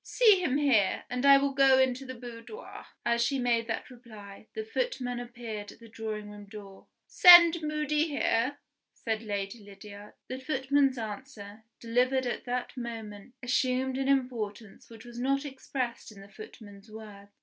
"See him here; and I will go into the boudoir." As she made that reply, the footman appeared at the drawing room door. "Send Moody here," said Lady Lydiard. The footman's answer, delivered at that moment, assumed an importance which was not expressed in the footman's words.